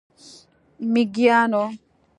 میږیانو،